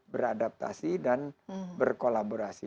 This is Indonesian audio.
beradaptasi dan berkolaborasi